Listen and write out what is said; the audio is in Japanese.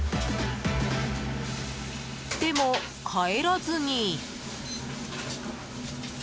でも帰らずに。